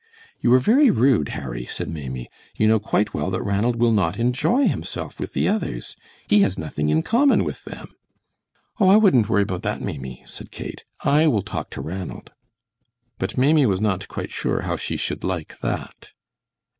"You are very rude, Harry," said Maimie. "You know quite well that Ranald will not enjoy himself with the others. He has nothing in common with them." "Oh, I wouldn't worry about that Maimie," said Kate; "I will talk to Ranald." But Maimie was not quite sure how she should like that.